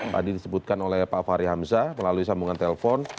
tadi disebutkan oleh pak fahri hamzah melalui sambungan telepon